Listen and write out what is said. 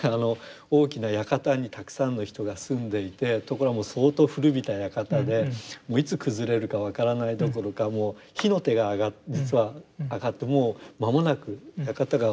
大きな館にたくさんの人が住んでいてところがもう相当古びた館でもういつ崩れるか分からないどころかもう火の手が実は上がってもう間もなく館が。